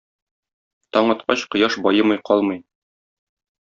Таң аткач кояш баемый калмый.